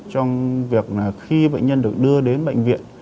trong việc là khi bệnh nhân được đưa đến bệnh viện